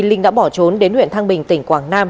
linh đã bỏ trốn đến huyện thăng bình tỉnh quảng nam